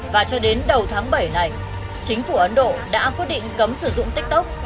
và cho đến đầu tháng bảy này chính phủ ấn độ đã quyết định cấm sử dụng tiktok